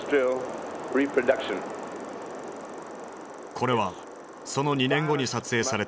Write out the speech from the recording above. これはその２年後に撮影された映像。